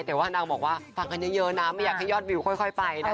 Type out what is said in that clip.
แต่ว่านางบอกว่าฟังกันเยอะนะไม่อยากให้ยอดวิวค่อยไปนะคะ